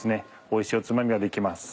おいしいおつまみができます。